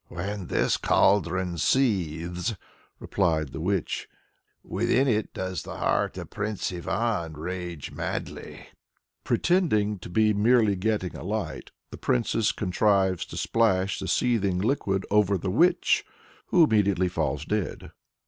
"When this cauldron seethes," replies the witch, "within it does the heart of Prince Ivan rage madly." Pretending to be merely getting a light, the Princess contrives to splash the seething liquid over the witch, who immediately falls dead.